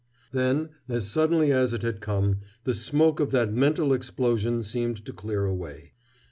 _ Then, as suddenly as it had come, the smoke of that mental explosion seemed to clear away.